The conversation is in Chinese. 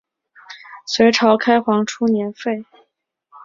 隋朝开皇初年废。